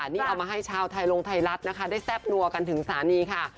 นี่เอามาให้ชาวไทยลงไทยรัฐนะคะได้แซ่บนัวกันถึงสถานีค่ะ